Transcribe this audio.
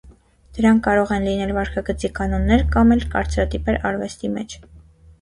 Դրանք կարող են լինել վարքագծի կանոններ կամ էլ կարծատիպեր արվեստի մեջ։